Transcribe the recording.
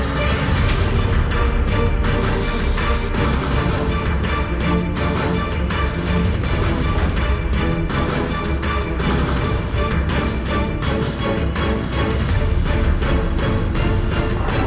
สนับสนุนโดยใหม่สแนคแจ๊กรสกุ้มครัวพริกเกลือ